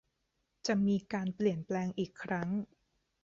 จะมีการเปลี่ยนแปลงอีกครั้ง